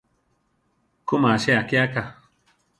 Ku masia akíaka.